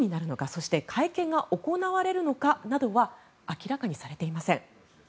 そして会見が行われるのかなどは明らかにされておりません。